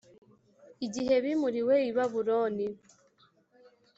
igihe bimuriwe i Babuloni.